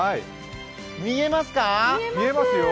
見えますか？